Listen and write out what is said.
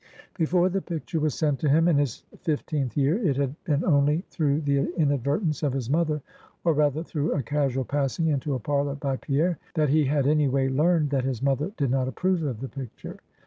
Before the picture was sent to him, in his fifteenth year, it had been only through the inadvertence of his mother, or rather through a casual passing into a parlor by Pierre, that he had any way learned that his mother did not approve of the picture.